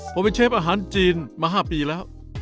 ผมไปเชฟอาหารจีนมา๕ปีแล้ว